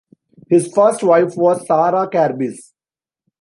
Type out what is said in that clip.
His first wife was Sarah Carbis.